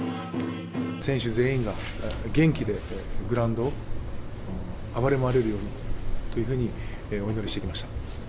選手全員が元気でグラウンドを暴れ回れるようにっていうふうに、お祈りしてきました。